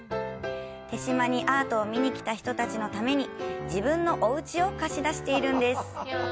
豊島にアートを見にきた人たちのために自分のおうちを貸し出してるんです。